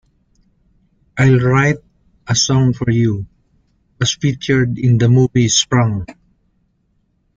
"I'll Write a Song for You" was featured in the movie "Sprung".